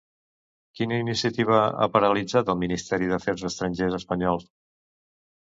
Quina iniciativa ha paralitzat el Ministeri d'Afers Estrangers espanyol?